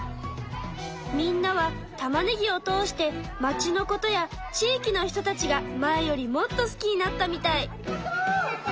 みんなはたまねぎを通して町のことや地域の人たちが前よりもっと好きになったみたい。